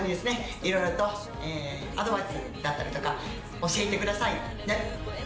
いろいろとアドバイスだったりだとか教えてくださいねっ！